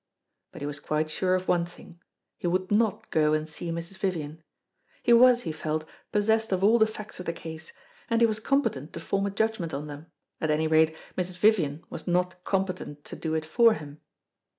But he was quite sure of one thing he would not go and see Mrs. Vivian. He was, he felt, possessed of all the facts of the case, and he was competent to form a judgment on them at any rate Mrs. Vivian was not competent to do it for him.